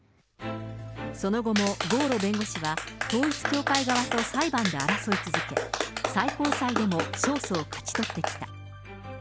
その後も郷路弁護士は、統一教会側と裁判で争い続け、最高裁でも勝訴を勝ち取ってきた。